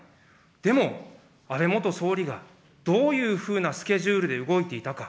でも、安倍元総理がどういうふうなスケジュールで動いていたか。